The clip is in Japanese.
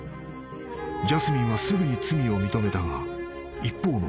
［ジャスミンはすぐに罪を認めたが一方のクインは］